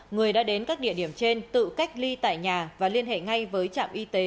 người đã đến các địa điểm trên tự cách ly tại nhà và liên hệ ngay với trạm y tế